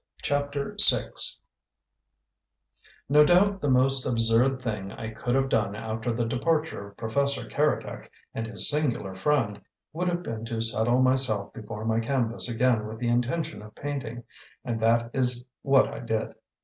CHAPTER VI No doubt the most absurd thing I could have done after the departure of Professor Keredec and his singular friend would have been to settle myself before my canvas again with the intention of painting and that is what I did.